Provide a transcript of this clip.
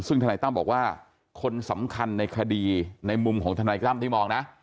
ซึ่งธนายตั้มบอกว่าคนสำคัญในคดีในมุมของทนายตั้มที่มองนะ